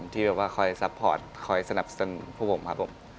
ที่คอยซัพพอร์ตคอยสนับสนุนพวกผม